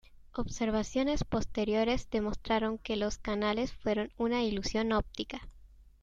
Observaciones posteriores demostraron que los canales fueron una ilusión óptica.